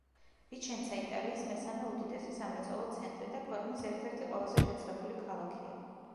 ვიჩენცა იტალიის მესამე უდიდესი სამრეწველო ცენტრი და ქვეყნის ერთ-ერთი ყველაზე შეძლებული ქალაქია.